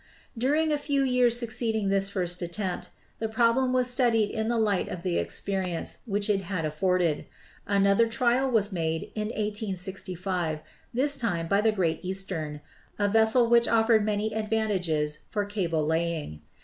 During a few years succeeding this first attempt, the problem was studied in the light of the experience which it had afforded. Another trial was made in 1865, this time by the Great Eastern, a vessel which offered many advantages for cable laying.